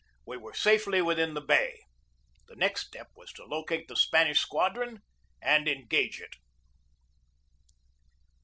We were safely within the bay. The next step was to locate the Spanish squadron and engage it.